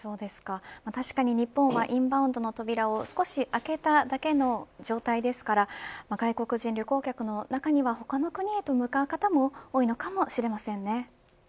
確かに日本はインバウンドの扉を少しあけただけの状態ですから外国人旅行客の中には他の国へと向かう方も多いのかもしれませんね。